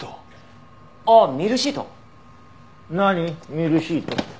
ミルシートって。